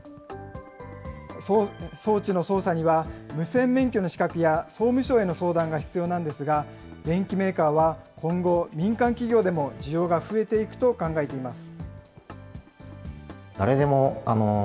装置の操作には無線免許の資格や、総務省への相談が必要なんですが、電機メーカーは今後、民間企業でも需要が増えていくと考えています。